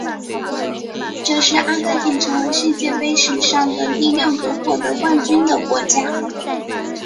这是阿根廷成为世界杯史上的第六个获得冠军的国家。